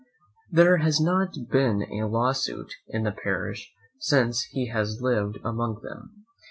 There has not been a law suit in the parish since he has liv'd among them.